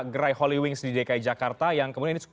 gerai holywings di dki jakarta yang kemudian